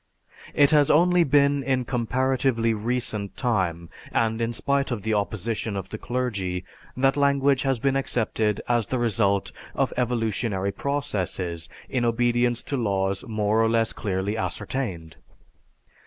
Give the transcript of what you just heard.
It has only been in comparatively recent time, and in spite of the opposition of the clergy, that language has been accepted as the result of evolutionary processes in obedience to laws more or less clearly ascertained.